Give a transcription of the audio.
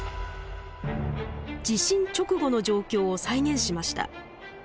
地震直後の状況を再現しました。